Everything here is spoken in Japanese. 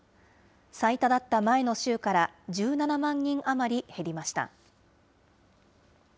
最多だった前の週から１７万人余り減りました。